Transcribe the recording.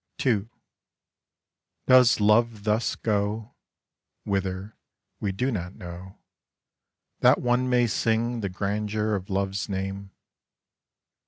GLORY SHALL FOLLOW II Does Love thus go, (Whither, wc do not know). That one may sing the grandeur of Love's name?